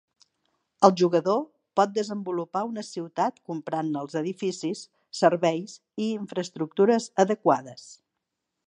El jugador pot desenvolupar una ciutat comprant-ne els edificis, serveis i infraestructures adequades.